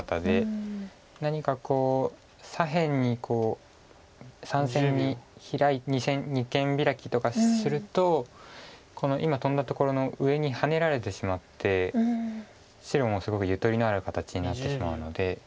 何かこう左辺に３線に二間ビラキとかするとこの今トンだところの上にハネられてしまって白もすごくゆとりのある形になってしまうので。